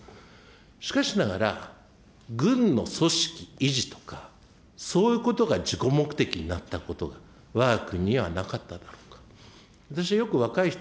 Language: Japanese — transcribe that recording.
しかしながら、軍の組織維持とか、そういうことが目的になったことがわが国はなかっただろうか。